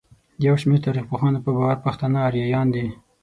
د يوشمېر تاريخپوهانو په باور پښتانه اريايان دي.